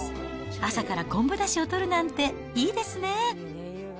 朝から昆布だしをとるなんていいですね。